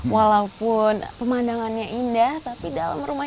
walaupun pemandangannya indah tapi dalam rumahnya masih